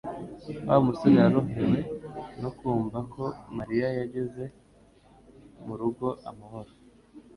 Wa musore yorohewe no kumva ko Mariya yageze mu rugo amahoro